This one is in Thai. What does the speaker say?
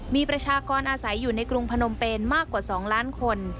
มีประชากรอาศัยอยู่ในกรุงพนมเป็นมากกว่า๒ล้านคน